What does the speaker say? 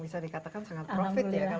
bisa dikatakan sangat profit ya kan